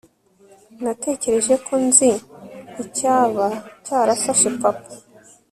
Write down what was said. natekereje ko nzi icyaba cyarafashe papa